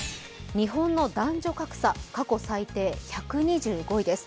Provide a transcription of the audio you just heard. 日本の男女格差、過去最低１２５位です。